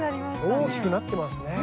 大きくなってますね。